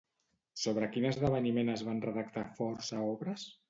Sobre quin esdeveniment es van redactar força obres?